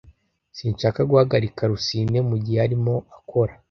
Sinshaka guhagarika Rusine mugihe arimo akora.